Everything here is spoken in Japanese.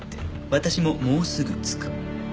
「私ももうすぐ着く」